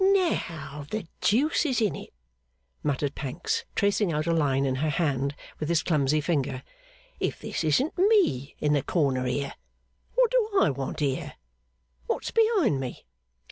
'Now, the deuce is in it,' muttered Pancks, tracing out a line in her hand with his clumsy finger, 'if this isn't me in the corner here! What do I want here? What's behind me?